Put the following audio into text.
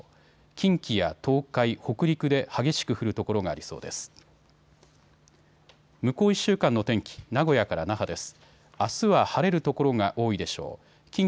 近畿や東海、北陸で激しく降る所がありそうです。